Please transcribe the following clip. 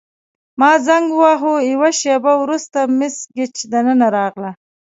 ما زنګ وواهه، یوه شیبه وروسته مس ګیج دننه راغله.